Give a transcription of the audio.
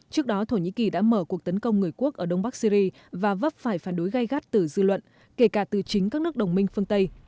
trước đó thổ nhĩ kỳ đã mở cuộc tấn công người quốc ở đông bắc syri và vấp phải phản đối gây gắt từ dư luận kể cả từ chính các nước đồng minh phương tây